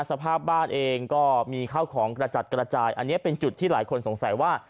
สภาพบ้านเองก็มีข้าวของกระจัดกระจายอันนี้เป็นจุดที่หลายคนสงสัยว่า